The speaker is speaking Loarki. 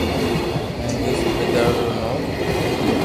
ھين وئي صوبيدار رو نو ر